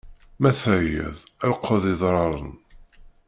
Ma teεyiḍ lqeḍ idɣaɣen!